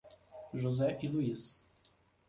José e Luiz